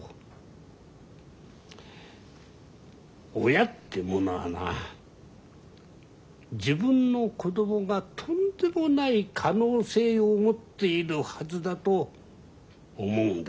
親ってものはな自分の子供がとんでもない可能性を持っているはずだと思うんだよ。